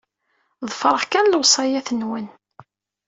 Ḍefreɣ kan lewṣayat-nwen.